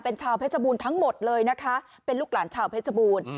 เป็นชาวเพชรบูรณ์ทั้งหมดเลยนะคะเป็นลูกหลานชาวเพชรบูรณ์